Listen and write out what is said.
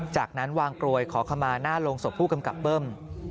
จากนั้นวางกลวยขอขมาหน้าโรงศพผู้กำกับเบิ้ม